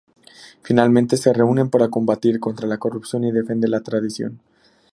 Finalmente se reúnen para combatir contra la corrupción y defender la tradición.